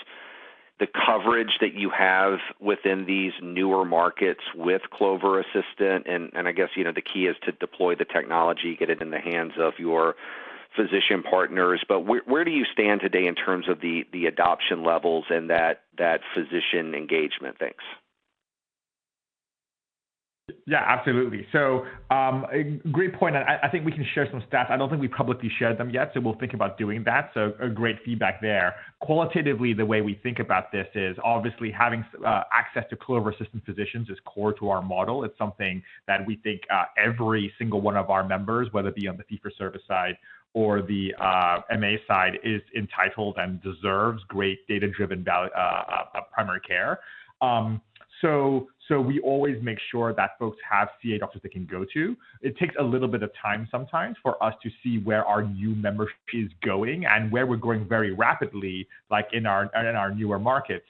the coverage that you have within these newer markets with Clover Assistant? I guess, you know, the key is to deploy the technology, get it in the hands of your physician partners. Where do you stand today in terms of the adoption levels and that physician engagement? Thanks. Yeah, absolutely. A great point, and I think we can share some stats. I don't think we've publicly shared them yet, so we'll think about doing that. A great feedback there. Qualitatively, the way we think about this is, obviously, having access to Clover Assistant physicians is core to our model. It's something that we think every single one of our members, whether it be on the fee for service side or the MA side, is entitled and deserves great data-driven primary care. We always make sure that folks have CA doctors they can go to. It takes a little bit of time sometimes for us to see where our new membership is going. Where we're growing very rapidly, like in our newer markets,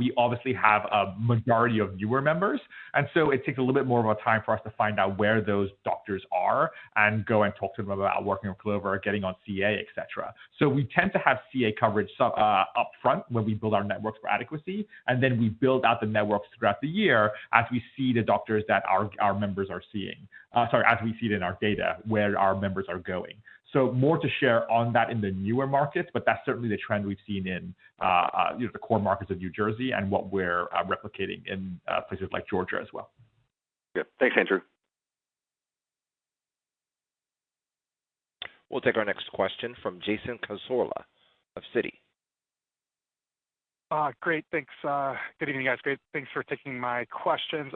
we obviously have a majority of newer members. It takes a little bit more of a time for us to find out where those doctors are and go and talk to them about working with Clover, getting on CA, et cetera. We tend to have CA coverage up front when we build our networks for adequacy, and then we build out the networks throughout the year as we see it in our data, where our members are going. More to share on that in the newer markets, but that's certainly the trend we've seen in you know, the core markets of New Jersey and what we're replicating in places like Georgia as well. Yeah. Thanks, Andrew. We'll take our next question from Jason Cassorla of Citi. Great. Thanks. Good evening, guys. Great. Thanks for taking my questions.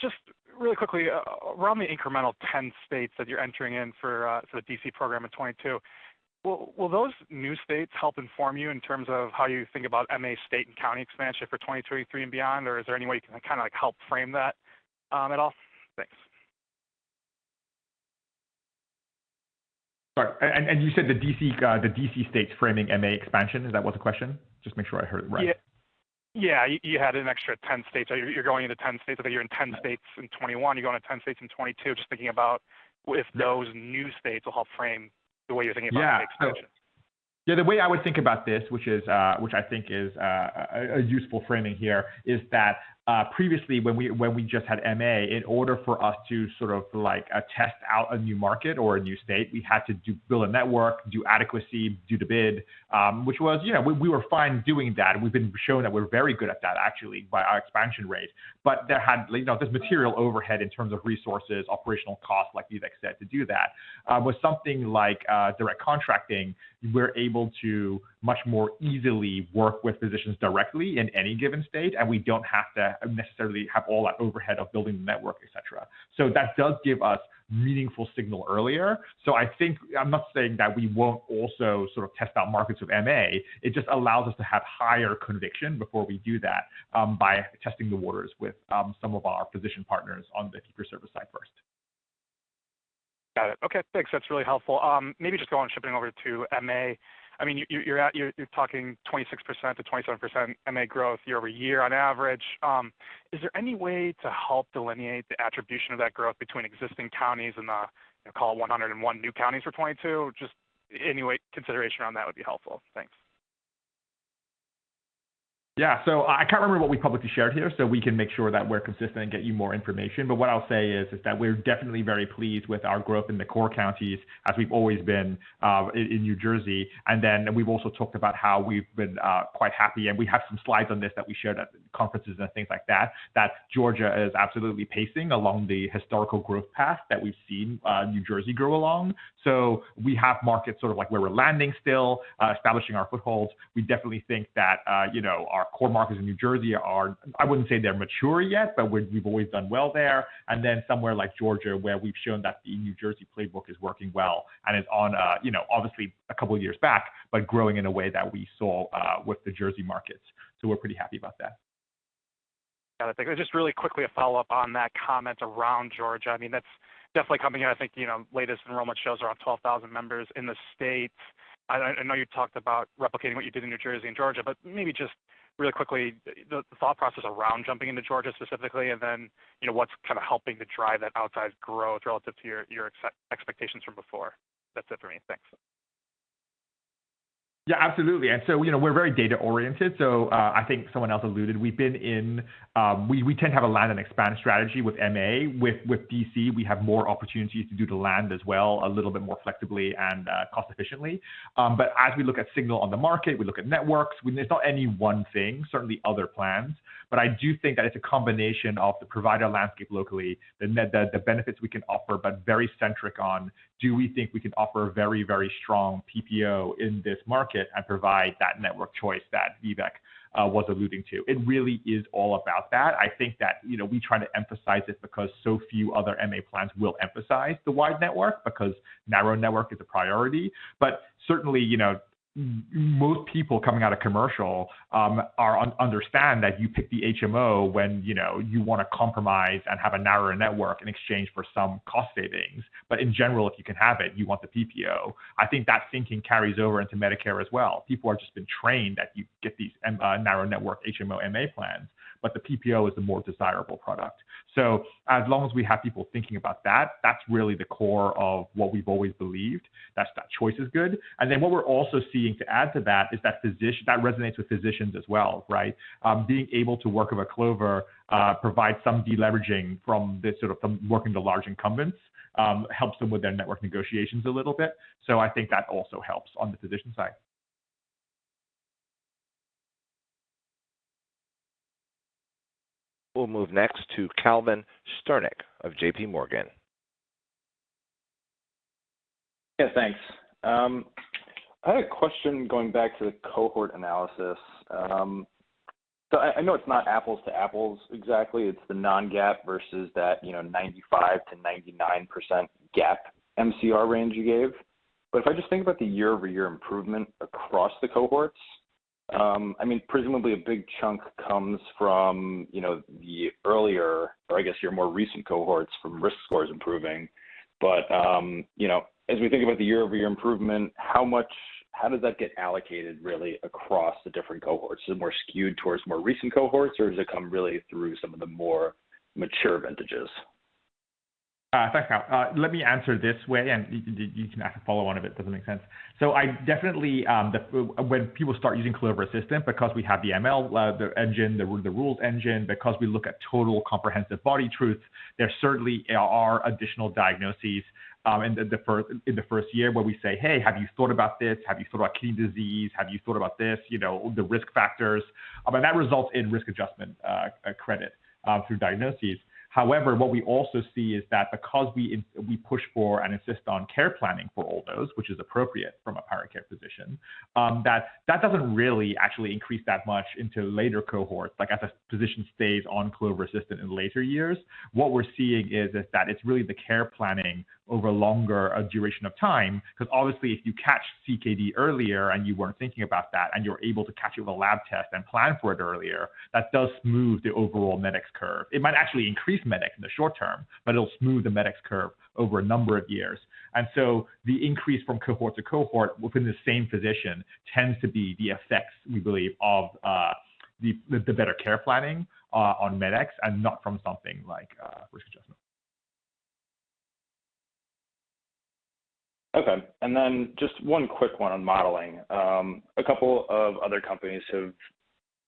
Just really quickly, around the incremental 10 states that you're entering in for the DC program in 2022, will those new states help inform you in terms of how you think about MA state and county expansion for 2023 and beyond? Or is there any way you can kinda like help frame that at all? Thanks. Sorry. You said the DC states framing MA expansion, is that what the question? Just make sure I heard it right. Yeah, you had an extra 10 states. You're going into 10 states. You're in 10 states in 2021. You're going to 10 states in 2022. Just thinking about if those new states will help frame the way you're thinking about the expansion. Yeah. The way I would think about this, which I think is a useful framing here, is that previously when we just had MA, in order for us to sort of like test out a new market or a new state, we had to build a network, do adequacy, do the bid, which was, you know, we were fine doing that, and we've been showing that we're very good at that actually by our expansion rate. But there's material overhead in terms of resources, operational costs, like Vivek said, to do that. With something like Direct Contracting, we're able to much more easily work with physicians directly in any given state, and we don't have to necessarily have all that overhead of building the network, et cetera. That does give us meaningful signal earlier. I think, I'm not saying that we won't also sort of test out markets with MA. It just allows us to have higher conviction before we do that, by testing the waters with some of our physician partners on the fee for service side first. Got it. Okay, thanks. That's really helpful. Maybe just shifting over to MA. I mean, you're talking 26%-27% MA growth year-over-year on average. Is there any way to help delineate the attribution of that growth between existing counties and the, you know, call 101 new counties for 2022? Just any way consideration around that would be helpful. Thanks. Yeah. I can't remember what we publicly shared here, so we can make sure that we're consistent and get you more information. But what I'll say is that we're definitely very pleased with our growth in the core counties as we've always been in New Jersey. Then we've also talked about how we've been quite happy, and we have some slides on this that we shared at conferences and things like that Georgia is absolutely pacing along the historical growth path that we've seen New Jersey grow along. We have markets sort of like where we're landing still establishing our footholds. We definitely think that you know, our core markets in New Jersey are, I wouldn't say they're mature yet, but we've always done well there. Somewhere like Georgia, where we've shown that the New Jersey playbook is working well and is on a, you know, obviously a couple of years back, but growing in a way that we saw with the Jersey markets. We're pretty happy about that. Got it. Thank you. Just really quickly a follow-up on that comment around Georgia. I mean, that's definitely coming in. I think, you know, latest enrollment shows around 12,000 members in the state. I know you talked about replicating what you did in New Jersey and Georgia, but maybe just really quickly, the thought process around jumping into Georgia specifically and then, you know, what's kind of helping to drive that outsized growth relative to your expectations from before. That's it for me. Thanks. Yeah, absolutely. You know, we're very data-oriented. I think someone else alluded, we've been in. We tend to have a land and expand strategy with MA. With DC, we have more opportunities to do the land as well, a little bit more flexibly and cost efficiently. As we look at signal on the market, we look at networks, there's not any one thing, certainly other plans. I do think that it's a combination of the provider landscape locally, the benefits we can offer, but very centric on do we think we can offer very, very strong PPO in this market and provide that network choice that Vivek was alluding to. It really is all about that. I think that, you know, we try to emphasize this because so few other MA plans will emphasize the wide network because narrow network is a priority. Certainly, you know, most people coming out of commercial are understand that you pick the HMO when, you know, you wanna compromise and have a narrower network in exchange for some cost savings. In general, if you can have it, you want the PPO. I think that thinking carries over into Medicare as well. People are just been trained that you get these narrow network HMO MA plans, but the PPO is the more desirable product. As long as we have people thinking about that's really the core of what we've always believed, that's that choice is good. What we're also seeing to add to that is that that resonates with physicians as well, right? Being able to work with Clover provides some de-leveraging from this sort of from working the large incumbents, helps them with their network negotiations a little bit. I think that also helps on the physician side. We'll move next to Calvin Sternick of JPMorgan. Yeah, thanks. I had a question going back to the cohort analysis. So I know it's not apples to apples exactly. It's the non-GAAP versus that, you know, 95%-99% GAAP MCR range you gave. But if I just think about the year-over-year improvement across the cohorts, I mean, presumably a big chunk comes from, you know, the earlier, or I guess your more recent cohorts from risk scores improving. But you know, as we think about the year-over-year improvement, how does that get allocated really across the different cohorts? Is it more skewed towards more recent cohorts, or does it come really through some of the more mature vintages? Thanks. Let me answer this way, and you can ask a follow-on if it doesn't make sense. I definitely, when people start using Clover Assistant because we have the ML, the engine, the rules engine, because we look at total comprehensive body truth, there certainly are additional diagnoses, in the first year where we say, "Hey, have you thought about this? Have you thought about kidney disease? Have you thought about this?" You know, the risk factors. That results in risk adjustment, credit, through diagnoses. However, what we also see is that because we push for and insist on care planning for all those, which is appropriate from a primary care physician, that doesn't really actually increase that much into later cohorts. Like, as a physician stays on Clover Assistant in later years, what we're seeing is that it's really the care planning over longer duration of time. 'Cause obviously if you catch CKD earlier, and you weren't thinking about that, and you're able to catch it with a lab test and plan for it earlier, that does move the overall med cost curve. It might actually increase med cost in the short term, but it'll smooth the med cost curve over a number of years. The increase from cohort to cohort within the same physician tends to be the effects, we believe, of the better care planning on med costs and not from something like risk adjustment. Okay. Just one quick one on modeling. A couple of other companies have,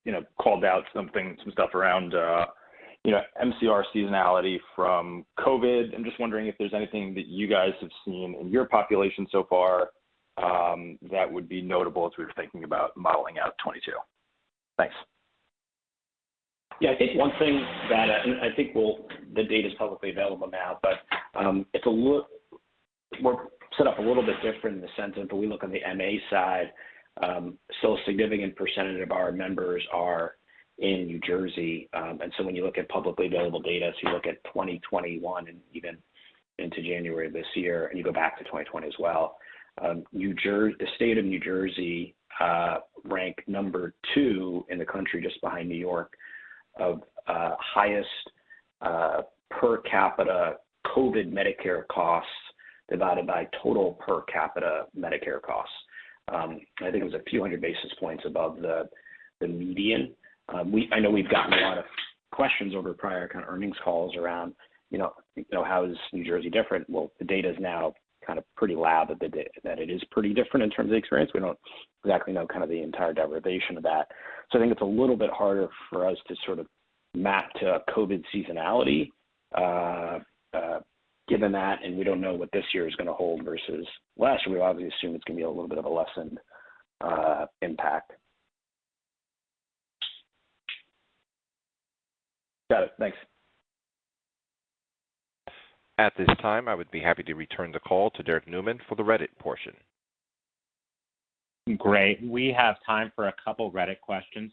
you know, called out something, some stuff around, you know, MCR seasonality from COVID. I'm just wondering if there's anything that you guys have seen in your population so far, that would be notable as we were thinking about modeling out 2022. Thanks. Yeah. I think one thing that the data's publicly available now, but it's a look. We're set up a little bit different in the sense that we look on the MA side. So a significant percentage of our members are in New Jersey. And so when you look at publicly available data, so you look at 2021 and even into January of this year, and you go back to 2020 as well, the state of New Jersey ranked number two in the country just behind New York of highest per capita COVID Medicare costs divided by total per capita Medicare costs. I think it was a few hundred basis points above the median. I know we've gotten a lot of questions over prior kind of earnings calls around, you know, how is New Jersey different? Well, the data is now kind of pretty loud that it is pretty different in terms of the experience. We don't exactly know kind of the entire derivation of that. I think it's a little bit harder for us to sort of map to a COVID seasonality, given that, and we don't know what this year is gonna hold versus last year. We obviously assume it's gonna be a little bit of a lessened impact. Got it. Thanks. At this time, I would be happy to return the call to Derrick Nueman for the Reddit portion. Great. We have time for a couple Reddit questions.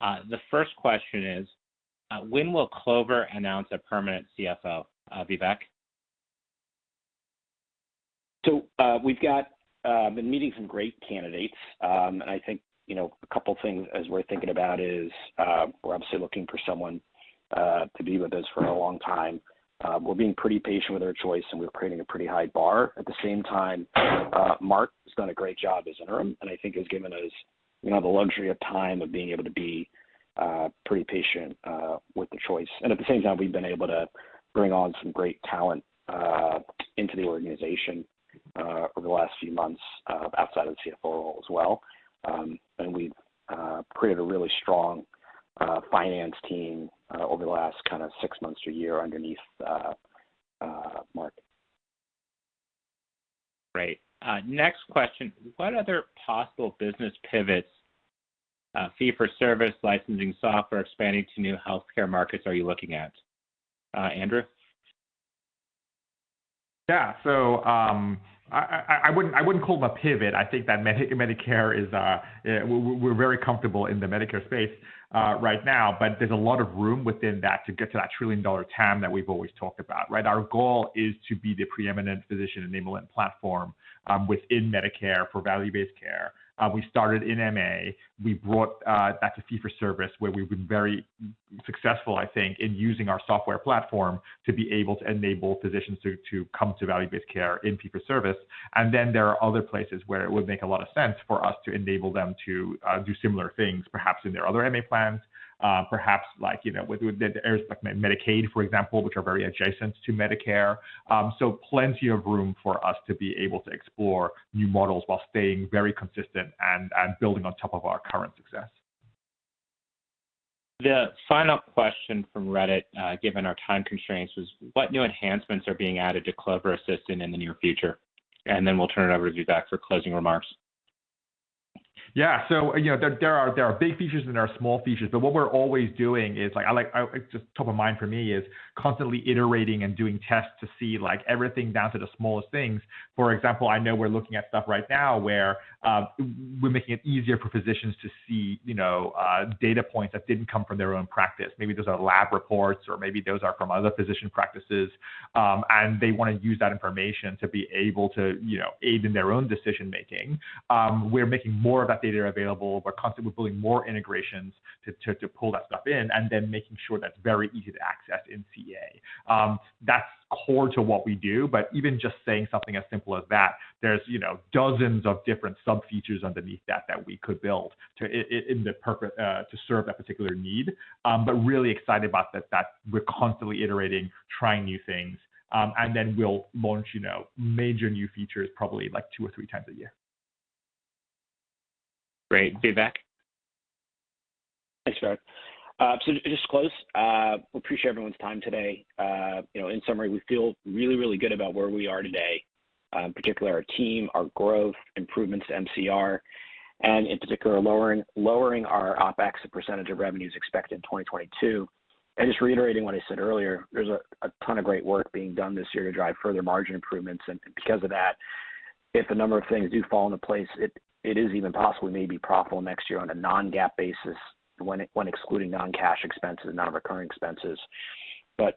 The first question is, when will Clover announce a permanent CFO, Vivek? We've been meeting some great candidates. I think, you know, a couple things as we're thinking about is we're obviously looking for someone to be with us for a long time. We're being pretty patient with our choice, and we're creating a pretty high bar. At the same time, Mark has done a great job as interim, and I think has given us, you know, the luxury of time of being able to be pretty patient with the choice. We've been able to bring on some great talent into the organization over the last few months outside of the CFO role as well. We've created a really strong finance team over the last kinda six months to a year underneath Mark. Great. Next question: What other possible business pivots, fee for service, licensing software, expanding to new healthcare markets are you looking at? Andrew? Yeah. I wouldn't call it a pivot. I think that we're very comfortable in the Medicare space right now, but there's a lot of room within that to get to that trillion-dollar TAM that we've always talked about, right? Our goal is to be the preeminent physician enablement platform within Medicare for value-based care. We started in MA. We brought back to fee for service, where we've been very successful, I think, in using our software platform to be able to enable physicians to come to value-based care in fee for service. There are other places where it would make a lot of sense for us to enable them to do similar things, perhaps in their other MA plans, perhaps like, you know, with the areas like Medicaid, for example, which are very adjacent to Medicare. Plenty of room for us to be able to explore new models while staying very consistent and building on top of our current success. The final question from Reddit, given our time constraints, is what new enhancements are being added to Clover Assistant in the near future? We'll turn it over to Vivek for closing remarks. Yeah. You know, there are big features and there are small features, but what we're always doing is, like, just top of mind for me is constantly iterating and doing tests to see, like, everything down to the smallest things. For example, I know we're looking at stuff right now where we're making it easier for physicians to see, you know, data points that didn't come from their own practice. Maybe those are lab reports or maybe those are from other physician practices, and they wanna use that information to be able to, you know, aid in their own decision-making. We're making more of that data available. We're constantly building more integrations to pull that stuff in, and then making sure that's very easy to access in CA. That's core to what we do, but even just saying something as simple as that, there's, you know, dozens of different sub-features underneath that that we could build to serve that particular need. Really excited about that we're constantly iterating, trying new things. Then we'll launch, you know, major new features probably like two or three times a year. Great. Vivek? Thanks, Derrick. So just to close, we appreciate everyone's time today. You know, in summary, we feel really good about where we are today, particularly our team, our growth, improvements to MCR, and in particular, lowering our OpEx percentage of revenues expected in 2022. Just reiterating what I said earlier, there's a ton of great work being done this year to drive further margin improvements. Because of that, if a number of things do fall into place, it is even possible we may be profitable next year on a non-GAAP basis when excluding non-cash expenses and non-recurring expenses.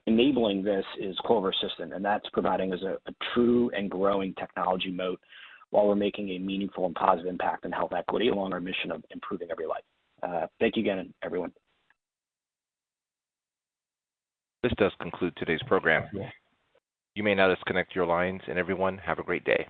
Enabling this is Clover Assistant, and that's providing us a true and growing technology moat while we're making a meaningful and positive impact on health equity along our mission of improving every life. Thank you again, everyone. This does conclude today's program. Yeah. You may now disconnect your lines, and everyone, have a great day.